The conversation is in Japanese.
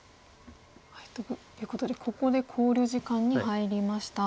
ということでここで考慮時間に入りました。